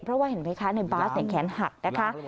เพราะว่าเห็นไหมคะในบาสแขนหักนะคะ